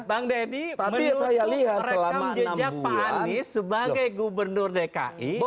bang deddy menilai rekam jejak pak anies sebagai gubernur dki